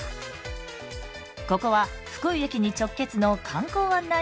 ここは福井駅に直結の観光案内施設。